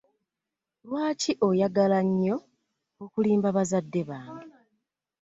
Lwaki oyagala nnyo okulimba bazadde bange?